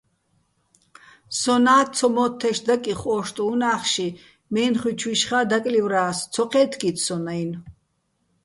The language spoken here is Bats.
სონა́ ცომო́თთეშ დაკიხო ო́შტუჼ უ̂ნახში, მე́ნხუჲჩუჲშხა́ დაკლივრა́ს, ცო ჴე́თგიც სონ-აჲნო̆.